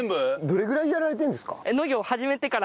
どれぐらいやられてるんですか？